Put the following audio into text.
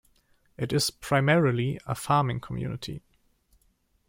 It is primarily a farming community.